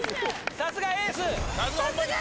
さすがエースです。